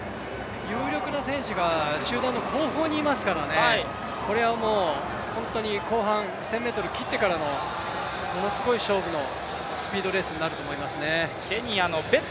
有力な選手が集団の後方にいますからねこれはもう、本当に後半１０００ｍ切ってからのものすごい勝負のスピードレースになると思いますね。